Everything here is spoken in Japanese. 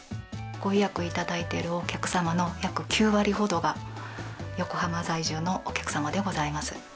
ご予約をいただいているお客様の約９割ほどが、横浜在住のお客様でございます。